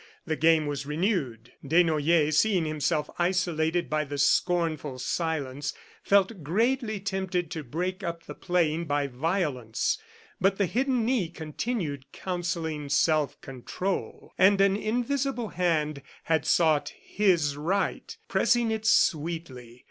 The game was renewed. Desnoyers, seeing himself isolated by the scornful silence, felt greatly tempted to break up the playing by violence; but the hidden knee continued counselling self control, and an invisible hand had sought his right, pressing it sweetly.